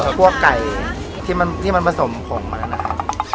พวกไก่ที่มันผสมผงมานาน